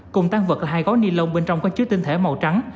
cùng tăng vật ở hai gói ni lông bên trong có chứa tinh thể màu trắng